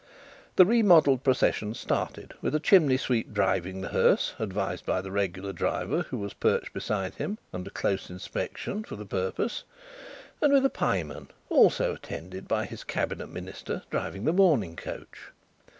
The remodelled procession started, with a chimney sweep driving the hearse advised by the regular driver, who was perched beside him, under close inspection, for the purpose and with a pieman, also attended by his cabinet minister, driving the mourning coach.